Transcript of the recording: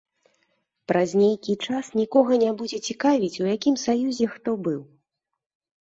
Праз нейкі час нікога не будзе цікавіць, у якім саюзе хто быў.